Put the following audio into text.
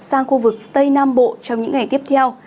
sang khu vực tây nam bộ trong những ngày tiếp theo